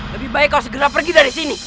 lebih baik kau segera pergi dari sini